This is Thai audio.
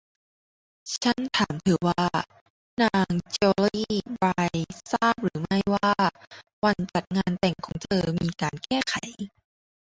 ฉันถามเธอว่า นางเจลลีบายทราบหรือไม่ว่าวันจัดงานแต่งของเธอมีการแก้ไข